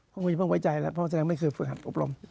คุณไม่ต้องไว้ใจแล้วเพราะอาจารย์ไม่เคยฝึกอบรม